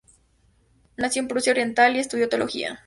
Nació en Prusia Oriental, y estudió teología.